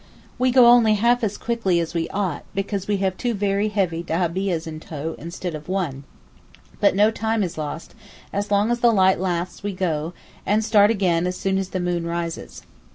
We go only half as quickly as we ought because we have two very heavy dahabiehs in tow instead of one; but no time is lost, as long as the light lasts we go, and start again as soon as the moon rises.